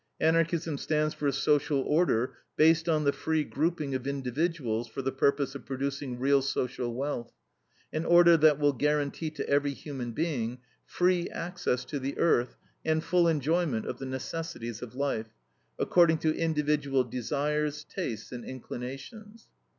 Anarchism stands for a social order based on the free grouping of individuals for the purpose of producing real social wealth; an order that will guarantee to every human being free access to the earth and full enjoyment of the necessities of life, according to individual desires, tastes, and inclinations.